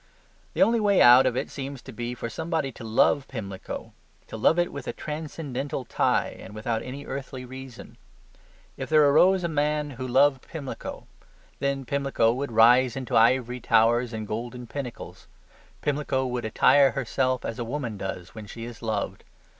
The only way out of it seems to be for somebody to love Pimlico: to love it with a transcendental tie and without any earthly reason. If there arose a man who loved Pimlico, then Pimlico would rise into ivory towers and golden pinnacles; Pimlico would attire herself as a woman does when she is loved.